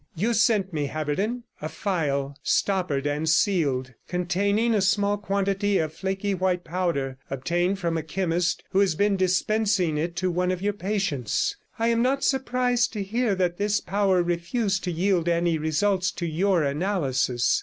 You sent me, Haberden, a phial, stoppered and sealed, containing a small quantity of flaky white powder, obtained from a chemist who has been dispensing it to one of your patients. I am not surprised to hear that this powder refused to yield any results to your analysis.